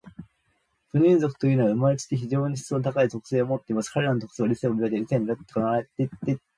フウイヌム族というのは、生れつき、非常に徳の高い性質を持っています。彼等の格言は、『理性を磨け。理性によって行え。』というのでした。